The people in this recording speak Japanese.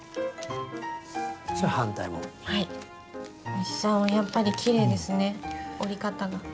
おじさんはやっぱりきれいですね折り方が。